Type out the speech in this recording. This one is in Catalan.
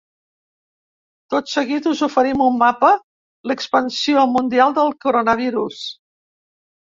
Tot seguit us oferim un mapa l’expansió mundial del coronavirus.